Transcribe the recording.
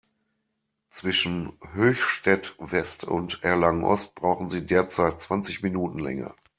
Zwischen Höchstadt-West und Erlangen-Ost brauchen Sie derzeit zwanzig Minuten länger.